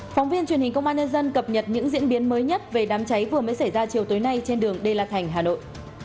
phóng viên truyền hình công an nhân dân cập nhật những diễn biến mới nhất về đám cháy vừa mới xảy ra chiều tối nay trên đường đê la thành hà nội